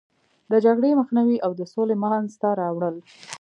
د جګړې مخنیوی او د سولې منځته راوړل.